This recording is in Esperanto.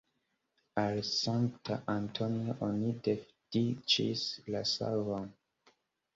Al Sankta Antonio oni dediĉis la savon.